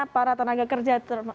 para tenaga kerja